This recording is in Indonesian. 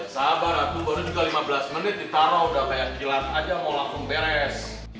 sabar aku baru juga lima belas menit ditaro udah kayak gilat aja mau lakung beres